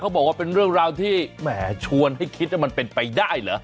บอกว่าเป็นเรื่องราวที่แหมชวนให้คิดว่ามันเป็นไปได้เหรอ